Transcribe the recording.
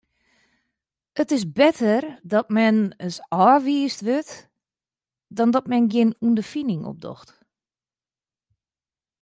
It is better dat men ris ôfwiisd wurdt as dat men gjin ûnderfining opdocht.